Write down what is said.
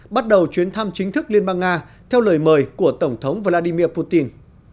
bắt đầu chuyến thăm chính thức liên bang nga theo lời mời của tổng thống vladimir putin